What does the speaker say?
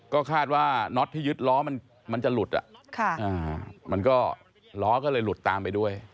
ก็คาดว่าน็อตที่ยึดล้อมันจะหลุดมันก็ล้อก็เลยหลุดตามไปด้วย